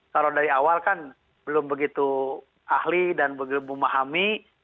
kalau dari awal kan belum begitu ahli dan memahami